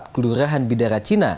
kelurahan bidara cina